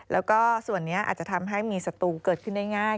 แล้วก็ส่วนนี้อาจจะทำให้มีศัตรูเกิดขึ้นได้ง่าย